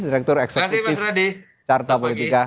direktur eksekutif carta politika